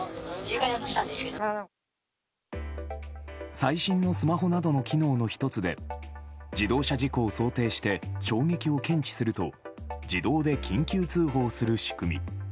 最新のスマホなどの機能の１つで自動車事故を想定して衝撃を検知すると自動で緊急通報する仕組み。